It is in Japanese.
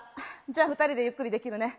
じゃあ２人でゆっくりできるね。